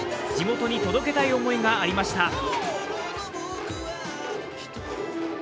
地元に届けたい思いがありました。